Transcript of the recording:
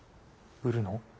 売るの？